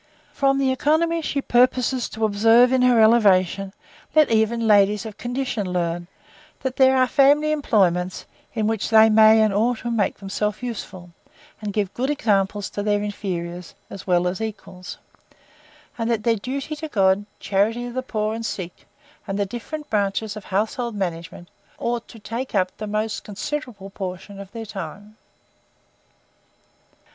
From the economy she purposes to observe in her elevation, let even ladies of condition learn, that there are family employments, in which they may and ought to make themselves useful, and give good examples to their inferiors, as well as equals: and that their duty to God, charity to the poor and sick, and the different branches of household management, ought to take up the most considerable portions of their time.